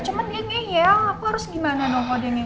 cuma dia ngeyel aku harus gimana dong kalau dia ngeyel